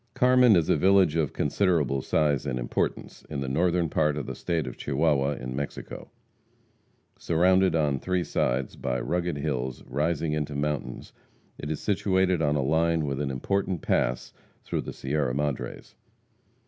Carmen is a village of considerable size and importance in the northern part of the State of Chihuahua in Mexico. Surrounded on three sides by rugged hills rising into mountains, it is situated on a line with an important pass through the Sierra Madres.